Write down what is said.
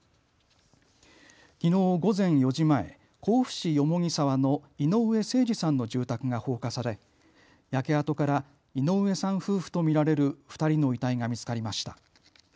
きのう午前４時前、甲府市蓬沢の井上盛司さんの住宅が放火され焼け跡から井上さん夫婦と見られる２人の遺体が見つかりました。